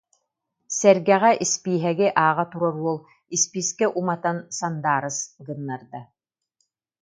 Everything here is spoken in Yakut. Сэргэҕэ испииһэги ааҕа турар уол испиискэ уматан сандаарыс гыннарда